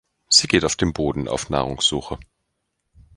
Sie geht auf dem Boden auf Nahrungssuche.